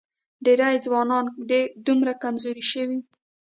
ډېری ځوانان دومره کمزوري شوي